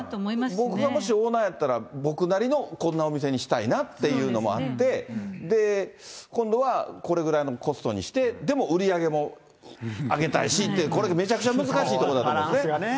やっぱり、僕がオーナーやったら、僕なりのこんなお店にしたいなというのもあって、今度はこれぐらいのコストにして、でも、売り上げも上げたいしって、これ、めちゃくちゃ難しいとこだと思うバランスがね。